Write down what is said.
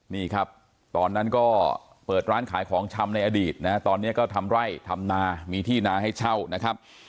นี่ครับตอนนั้นก็เปิดร้านขายของชำในอดีตนะตอนนี้ก็ทำไร่ทำนามีที่นาให้เช่านะครับ